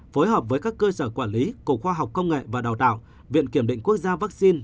phối hợp với các cơ sở quản lý của khoa học công nghệ và đào tạo viện kiểm định quốc gia vaccine